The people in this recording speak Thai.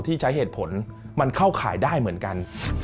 ใช้เหตุผลมันเข้าข่ายได้เหมือนกัน